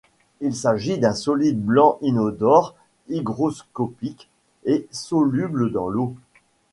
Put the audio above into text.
Il s'agit d'un solide blanc inodore hygroscopique et soluble dans l'eau.